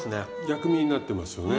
薬味になってますよね。